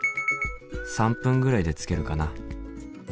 ３分ぐらいで着けるかな？